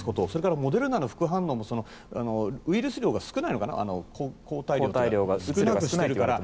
それからモデルナの副反応もウイルス量が少ないから抗体量というか。